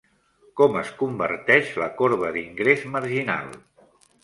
Com es converteix la corba d'ingrés marginal?